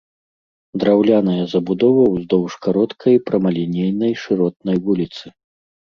Драўляная забудова ўздоўж кароткай прамалінейнай шыротнай вуліцы.